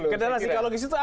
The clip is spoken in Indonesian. kendala psikologis itu apa